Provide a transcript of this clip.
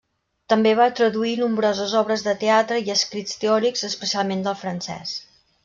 També va traduir nombroses obres de teatre i escrits teòrics, especialment del francès.